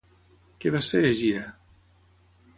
Què va ser Egira?